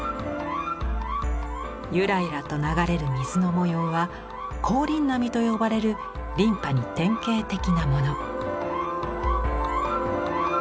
ゆらゆらと流れる水の模様は「光琳波」と呼ばれる琳派に典型的なもの。